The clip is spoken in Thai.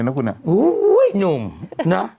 โอ๊ยนุ่งน่ะ